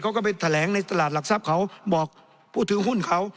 เขาก็ไปแถลงในตลาดหลักทรัพย์เขาบอกผู้ถือหุ้นเขา